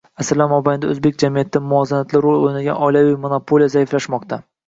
Asrlar mobaynida o'zbek jamiyatida muvozanatli rol o'ynagan oilaviy monopoliya zaiflashmoqda